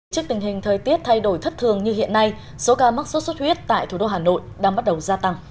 trước tình hình thời tiết thay đổi thất thường như hiện nay số ca mắc sốt xuất huyết tại thủ đô hà nội đang bắt đầu gia tăng